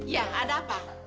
ya ada apa